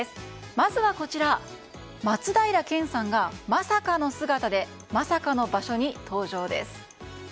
まずはこちら、松平健さんがまさかの姿でまさかの場所に登場です。